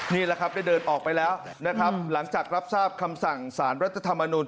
นี่แหละครับได้เดินออกไปแล้วนะครับหลังจากรับทราบคำสั่งสารรัฐธรรมนุน